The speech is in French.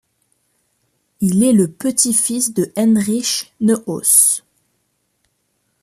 Il est le petit-fils de Heinrich Neuhaus.